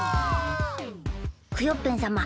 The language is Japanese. クヨッペンさま